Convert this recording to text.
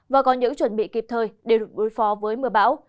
và có những chuẩn bị kịp thời để đối phó với mưa bão